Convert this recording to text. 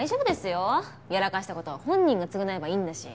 やらかした事は本人が償えばいいんだし。